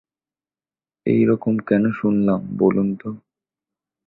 এই রকম কেন শুনলাম বলুন তো?